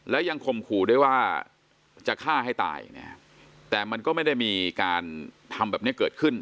และยังคมขู่ด้วยว่าจะฆ่าให้ตายเนี่ยแต่มันก็ไม่ได้มีการทำแบบนี้เกิดขึ้น